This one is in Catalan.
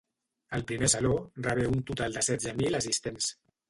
El primer Saló rebé un total de setze mil assistents.